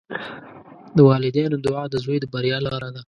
د والدینو دعا د زوی د بریا لاره ده.